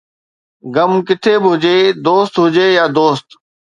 غم ڪٿي به هجي، دوست هجي يا دوست